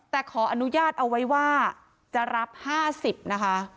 แต่ขออนุญาตเอาไว้ว่าจะรับ๕๐นะคะ